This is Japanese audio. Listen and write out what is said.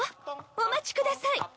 お待ちください。